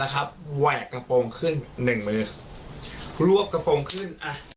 แหวกกระโปรงขึ้นหนึ่งมือรวบกระโปรงขึ้น